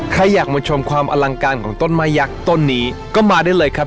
ใครอยากมาชมความอลังการของต้นไม้ยักษ์ต้นนี้ก็มาได้เลยครับ